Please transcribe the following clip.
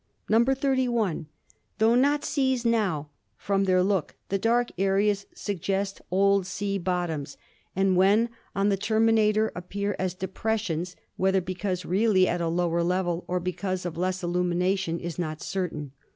188 ASTRONOMY "(31) Tho not seas now, from their look the dark areas suggest old sea bottoms, and when on the terminator ap pear as depressions (whether because really at a lower level or because of less illumination is not certain).